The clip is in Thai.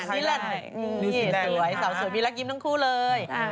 นี่แหละนี่สวยสาวสวยมีรักยิ้มทั้งคู่เลย